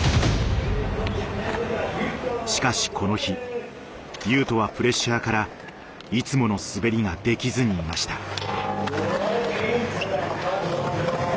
しかしこの日雄斗はプレッシャーからいつもの滑りができずにいました。